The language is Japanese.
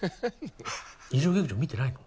日曜劇場見てないの？